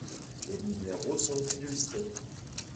Les numéros sont illustrés.